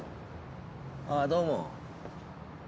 あぁどうも。